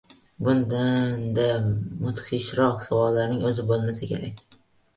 Bundanda mudhishroq savollarning o‘zi bo‘lmasa kerak.